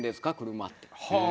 車」って。